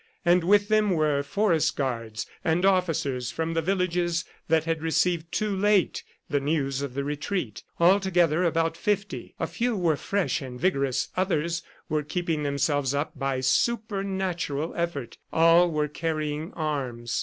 And with them were forest guards and officers from the villages that had received too late the news of the retreat altogether about fifty. A few were fresh and vigorous, others were keeping themselves up by supernatural effort. All were carrying arms.